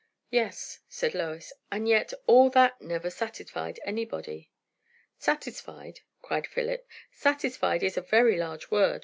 "Yes," said Lois; "and yet all that never satisfied anybody." "Satisfied!" cried Philip. "Satisfied is a very large word.